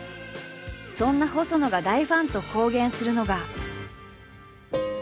そんな細野が「大ファン」と公言するのが。